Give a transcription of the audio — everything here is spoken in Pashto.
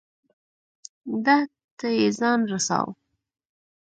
ده ته یې ځان رساو.